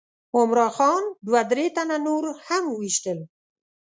عمرا خان دوه درې تنه نور هم وویشتل.